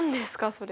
それ。